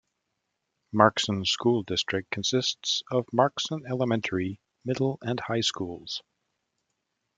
Markesan School District consists of Markesan Elementary, Middle and High Schools.